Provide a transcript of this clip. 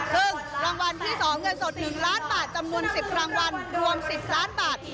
ซึ่งรางวัลที่๒เงินสด๑ล้านบาทจำนวน๑๐รางวัลรวม๑๐ล้านบาท